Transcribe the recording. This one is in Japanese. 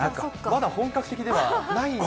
まだ本格的ではないんですね。